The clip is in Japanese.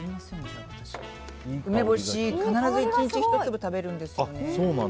梅干し必ず１日１粒食べるんです。